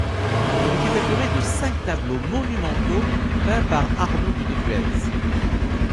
Elle était décorée de cinq tableaux monumentaux peints par Arnould de Vuez.